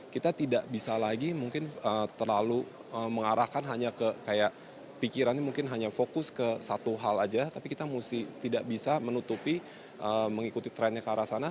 kita tidak bisa lagi mungkin terlalu mengarahkan hanya ke kayak pikirannya mungkin hanya fokus ke satu hal aja tapi kita mesti tidak bisa menutupi mengikuti trennya ke arah sana